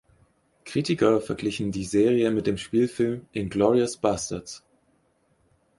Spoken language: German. Kritiker verglichen die Serie mit dem Spielfilm "Inglourious Basterds".